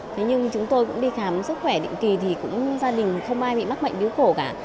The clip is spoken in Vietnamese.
thế nhưng chúng tôi cũng đi khám sức khỏe định kỳ thì cũng gia đình không ai bị mắc bệnh biếu khổ cả